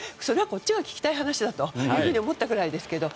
こっちが聞きたい話だと思ったぐらいですけど。